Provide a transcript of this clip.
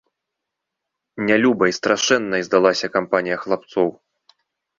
Нялюбай, страшэннай здалася кампанія хлапцоў.